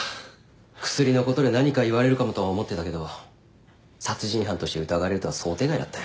クスリのことで何か言われるかもとは思ってたけど殺人犯として疑われるとは想定外だったよ。